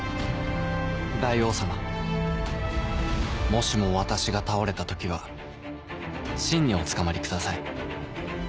大王様もしも私が倒れた時は信におつかまりください